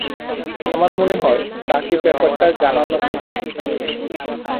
আমার মনে হয়, তাঁকে ব্যাপারটা জানানো উচিত।